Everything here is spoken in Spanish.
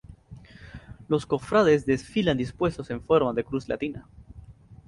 Los cofrades desfilan dispuestos en forma de cruz latina.